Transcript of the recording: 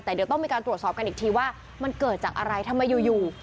แต่เดี๋ยวต้องมีการตรวจสอบกันอีกทีว่ามันเกิดจากอะไรทำไมอยู่